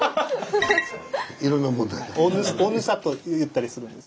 いろんな問題で。